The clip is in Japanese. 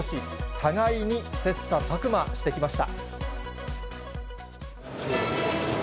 互いに切さたく磨してきました。